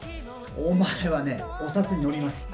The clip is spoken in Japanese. お前は、お札に載ります。